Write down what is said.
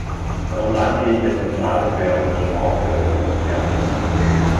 Darum danke ich der Kommissarin für ihr Engagement für Europas Fernsehen.